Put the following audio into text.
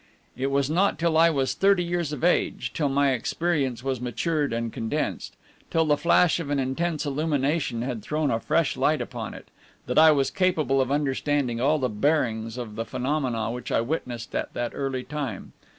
It was not till I was thirty years of age, till my experience was matured and condensed, till the flash of an intense illumination had thrown a fresh light upon it, that I was capable of understanding all the bearings of the phenomena which I witnessed at that early time.